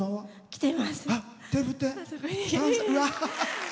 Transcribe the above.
来てます。